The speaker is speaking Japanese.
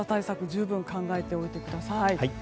十分考えておいてください。